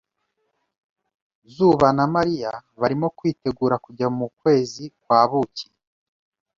Zuba na Mariya barimo kwitegura kujya mu kwezi kwa buki.